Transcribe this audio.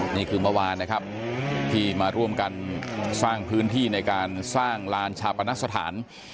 นี่คือเมื่อวานนะครับที่มาร่วมกันสร้างพื้นที่ในการสร้างลานชาปนสถาน